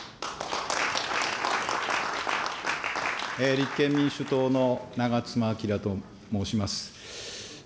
立憲民主党の長妻昭と申します。